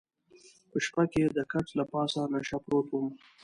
په شپه کې د کټ له پاسه نشه پروت وم.